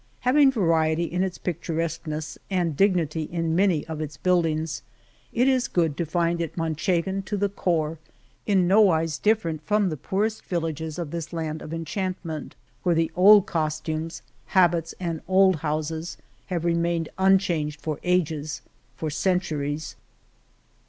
Having variety in its picturesqueness and dignity in many of its buildings, it is good to find it Manchegan to the core, in nowise different from the poorest villages of this land of enchantment where the old costumes, habits and old houses have remained un changed for ages, for centuries.